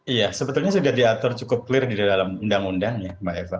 iya sebetulnya sudah diatur cukup clear di dalam undang undang ya mbak eva